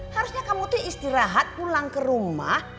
harusnya kamu tuh istirahat pulang ke rumah